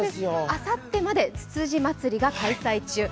あさってまで、つつじまつりが開催中。